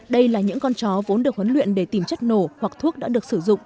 đây là những con chó vốn được huấn luyện để tìm chất nổ hoặc thuốc đã được sử dụng